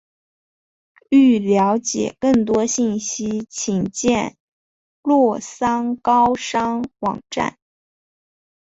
欲了解更多信息请见洛桑高商网站。